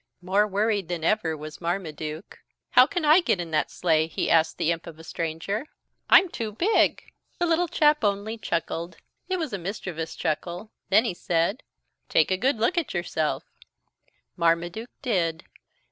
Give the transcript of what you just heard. More worried than ever was Marmaduke. "How can I get in that sleigh?" he asked the imp of a stranger. "I'm too big." The little chap only chuckled. It was a very mischievous chuckle. Then he said: "Take a good look at yourself." Marmaduke did.